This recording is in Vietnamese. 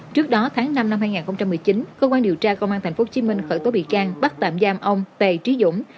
trước đó tháng năm năm hai nghìn một mươi chín cơ quan điều tra công an tp hcm khởi tố bị can bắt tạm giam ông tề trí dũng